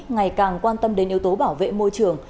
ngày càng quan tâm đến yếu tố bảo vệ môi trường